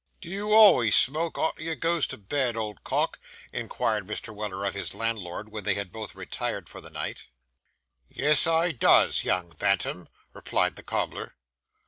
'Do you always smoke arter you goes to bed, old cock?' inquired Mr. Weller of his landlord, when they had both retired for the night. 'Yes, I does, young bantam,' replied the cobbler.